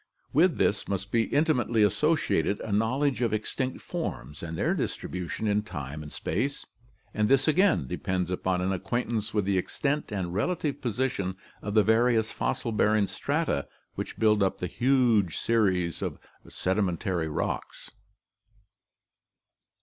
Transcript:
With this must be intimately associated a knowledge of extinct forms and their distribution in time and space, and this again depends upon an acquaintance with the extent and relative position of the various fossil bearing strata which build up the huge series of sedimentary rocks" (Bartholomew).